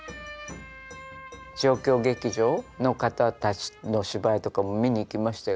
状況劇場の方たちの芝居とかも見に行きましたよ。